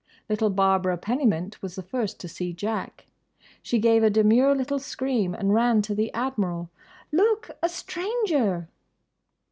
Little Barbara Pennymint was the first to see Jack. She gave a demure little scream and ran to the Admiral. "Look! A stranger!"